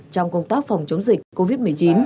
trong công tác phòng chống dịch covid một mươi chín